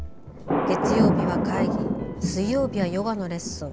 「月曜日は会議水曜日はヨガのレッスン